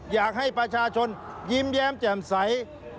อยากให้ประชาชนยิ้มแย้มแจ่มใส